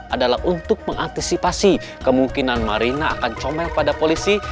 adalah untuk mengantisipasi kemungkinan marina akan comel pada polisi